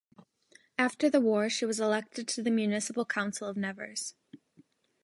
After the war she was elected to the municipal council of Nevers.